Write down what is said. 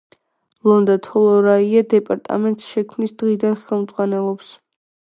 ლონდა თოლორაია დეპარტამენტს შექმნის დღიდან ხელმძღვანელობს.